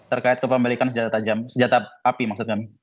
terkait kepemilikan senjata tajam senjata api maksud kami